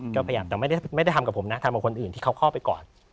ก็ขยับแต่ไม่ได้ทำกับผมนะทำกับคนอื่นที่เขาเข้าไปก่อน